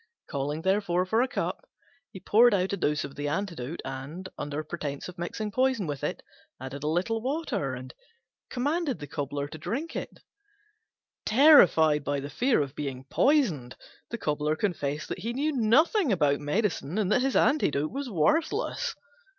Calling, therefore, for a cup, he poured out a dose of the antidote, and, under pretence of mixing poison with it, added a little water, and commanded him to drink it. Terrified by the fear of being poisoned, the Cobbler confessed that he knew nothing about medicine, and that his antidote was worthless.